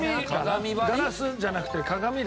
ガラスじゃなくて鏡だ。